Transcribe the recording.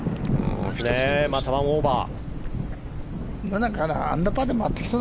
また１オーバー。